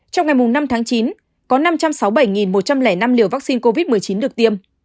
trong ngày năm tháng chín có năm trăm sáu mươi bảy một trăm linh năm liều vaccine covid một mươi chín được tiêm